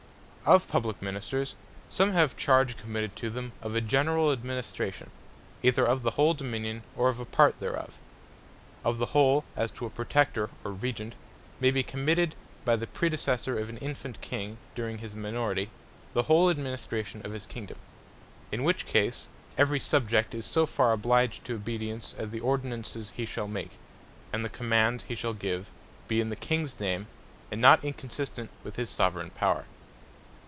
Ministers For The Generall Administration Of Publique Ministers, some have charge committed to them of a general Administration, either of the whole Dominion, or of a part thereof. Of the whole, as to a Protector, or Regent, may bee committed by the Predecessor of an Infant King, during his minority, the whole Administration of his Kingdome. In which case, every Subject is so far obliged to obedience, as the Ordinances he shall make, and the commands he shall give be in the Kings name, and not inconsistent with his Soveraigne Power.